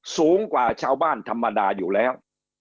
สูงกว่าชาวบ้านธรรมดาอยู่แล้ว